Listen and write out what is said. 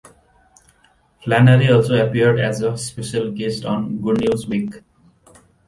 Flannery also appeared as a special guest on "Good News Week".